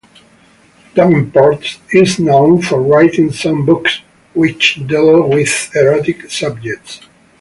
Davenport is known for writing some books which deal with erotic subjects.